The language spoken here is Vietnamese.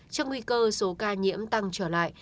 trong nguy cơ số ca nhiễm tăng trở lại